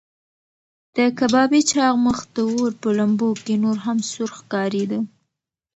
د کبابي چاغ مخ د اور په لمبو کې نور هم سور ښکارېده.